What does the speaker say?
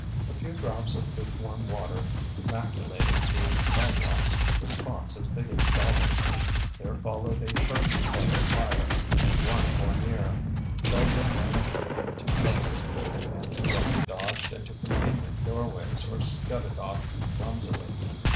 A few drops of lukewarm water maculated the sidewalks with spots as big as dollars. There followed a sharper play of fire, and one more near. Children ran shrieking to shelter, and men and women dodged into convenient doorways or scudded off clumsily.